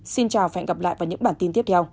xin chào và hẹn gặp lại